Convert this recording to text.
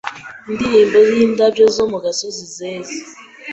Indirimbo Yindabyo zo mu gasozi zeze